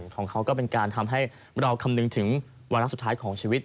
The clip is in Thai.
ของเขาก็เป็นการทำให้เราคำนึงถึงวาระสุดท้ายของชีวิต